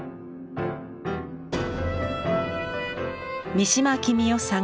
三島喜美代さん